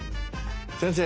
先生。